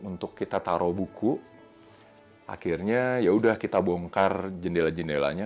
untuk kita taruh buku akhirnya yaudah kita bongkar jendela jendelanya